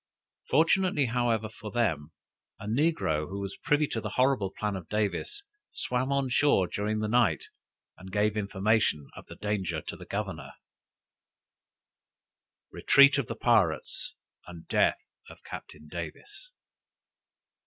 Fortunately however, for them, a negro, who was privy to the horrible plan of Davis, swam on shore during the night, and gave information of the danger to the governor. [Illustration: _Retreat of the Pirates and Death of Captain Davis.